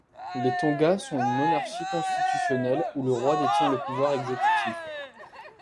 Les Tonga sont une monarchie constitutionnelle où le roi détient le pouvoir exécutif.